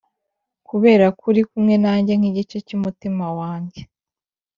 kureba ko uri kumwe nanjye nkigice cyumutima wanjye,